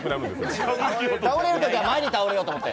倒れるときは前に倒れようと思って。